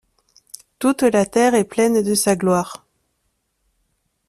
Toute la terre est pleine de sa gloire.